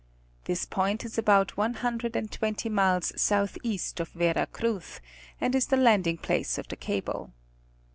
'This. point is about one hundred and twenty miles southeast of Vera Cruz, and is the landing place of the cable.